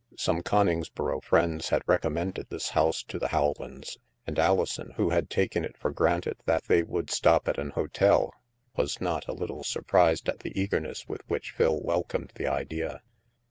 Some Con ingsboro friends had recommended this house to the Rowlands, and Alison, who had taken it for granted that they would stop at an hotel, was not a little surprised at the eagerness with which Phil welcomed the idea.